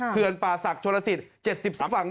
เคือนป่าศักดิ์โชนสิทธิ์๗๓